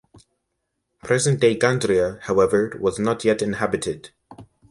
Present-day Gandria, however, was not yet inhabited.